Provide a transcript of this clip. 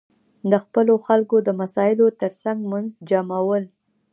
د خپلو خلکو د مسایلو ترڅنګ منسجمول.